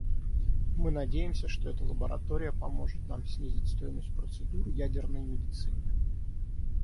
Мы надеемся, что эта лаборатория поможет нам снизить стоимость процедур ядерной медицины.